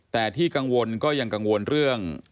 แต่ที่กังวลก็ยังกังวลเรื่อง